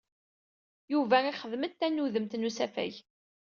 Yuba ixdem-d tamudemt n usafag.